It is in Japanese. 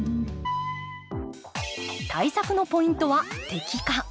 対策のポイントは摘果。